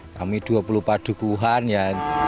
kami dua puluh padu kuburannya